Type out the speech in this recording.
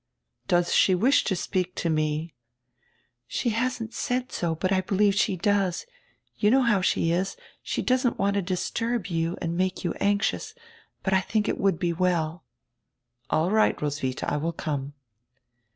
"Does she wish to speak to me?" "She hasn't said so, hut I helieve she does. You know how she is; she doesn't want to disturh you and make you anxious. But I think it would he well." "All right, Roswitha, I will come."